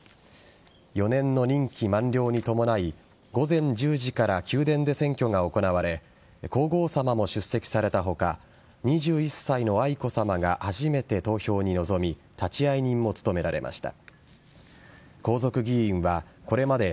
４年の任期満了に伴い午前１０時から宮殿で選挙が行われ皇后さまも出席された他２１歳の愛子さまが初めて投票に臨み立会人も務められました。